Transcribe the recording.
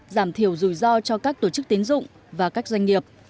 giảm thiểu rủi ro cho các tổ chức tiến dụng và các doanh nghiệp